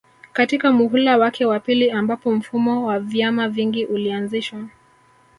katika muhula wake wa pili ambapo mfumo wa vyama vingi ulianzishwa